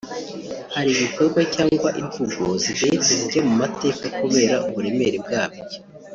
hari ibikorwa cyangwa imvugo zigayitse zijya mu mateka kubera uburemere bwabyo